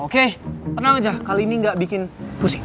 oke tenang aja kali ini gak bikin pusing